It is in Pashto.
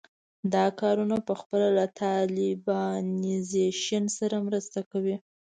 دا کارونه پخپله له طالبانیزېشن سره مرسته کوي.